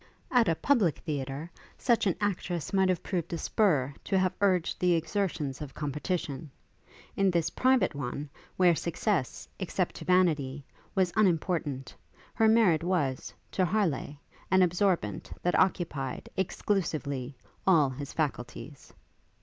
At a public theatre, such an actress might have proved a spur to have urged the exertions of competition; in this private one, where success, except to vanity, was unimportant, her merit was, to Harleigh, an absorbent that occupied, exclusively, all his faculties.